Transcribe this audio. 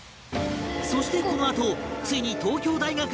そしてこのあとついに東京大学に潜入！